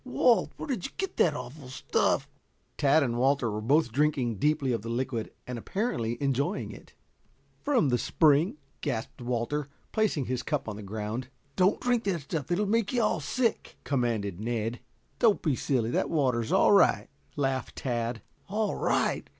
Walt, where did you get that awful stuff?" Tad and Walter were both drinking deeply of the liquid and apparently enjoying it. "From the spring," gasped Walter, placing his cup on the ground. "Don't drink that stuff. It'll make you all sick," commanded Ned. "Don't be silly. That water is all right," laughed Tad. "All right?